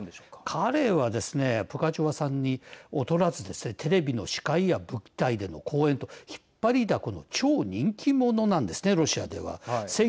彼はですねプガチョワさんに劣らずですねテレビの司会や舞台での公演と引っ張りだこの超人気者なんですねロシアでは。